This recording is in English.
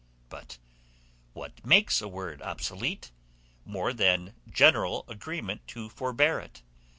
But what makes a word obsolete, more than general agreement to forbear it?